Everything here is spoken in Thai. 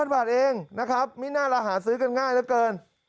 ๒๐๐๐บาทเองไม่น่าระหารซื้อกันง่ายเกิน